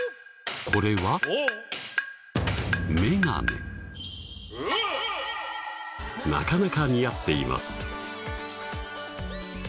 これはなかなか似合っています